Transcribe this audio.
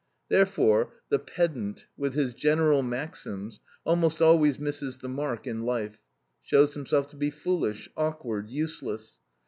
Therefore, the pedant, with his general maxims, almost always misses the mark in life, shows himself to be foolish, awkward, useless.